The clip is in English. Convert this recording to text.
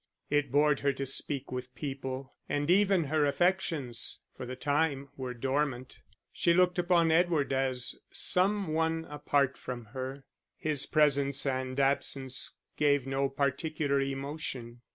It bored her to speak with people, and even her affections, for the time, were dormant: she looked upon Edward as some one apart from her, his presence and absence gave no particular emotion.